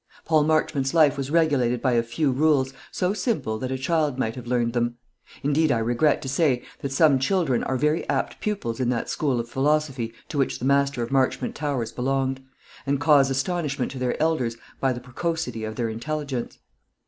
Paul Marchmont's life was regulated by a few rules, so simple that a child might have learned them; indeed I regret to say that some children are very apt pupils in that school of philosophy to which the master of Marchmont Towers belonged, and cause astonishment to their elders by the precocity of their intelligence.